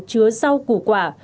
chứa rau củ quả